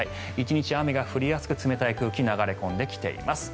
１日雨が降りやすく、冷たい空気流れ込んできています。